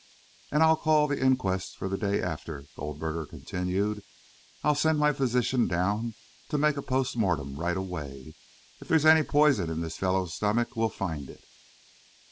"And I'll call the inquest for the day after," Goldberger continued. "I'll send my physician down to make a post mortem right away. If there's any poison in this fellow's stomach, we'll find it."